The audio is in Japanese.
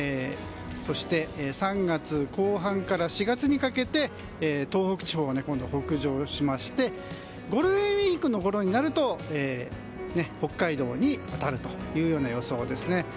そして３月後半から４月にかけて東北地方を北上しましてゴールデンウィークのころになると北海道に渡るというような予想ですね。